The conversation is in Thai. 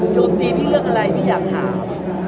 จบทีพี่เลือกอะไรพี่อยากถาม